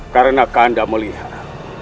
karena kanda melihat